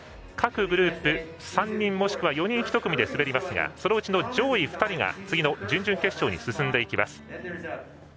各グループ、３人もしくは４人１組で走りますがそのうちの上位２人が次の準々決勝に進んでいきます。